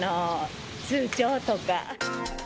通帳とか。